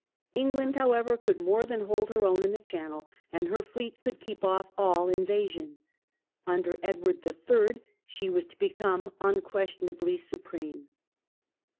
England, however, could more than hold her own in the Channel, and her fleet could keep off all invasion. Under Edward III. she was to become unquestionably supreme.